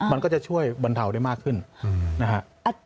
มันก็จะช่วยบรรเทาได้มากขึ้นนะฮะ